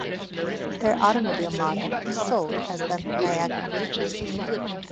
Their automobile model was sold as the Niagara.